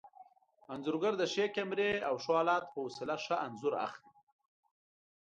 انځورګر د ښې کمرې او ښو الاتو په وسیله ښه انځور اخلي.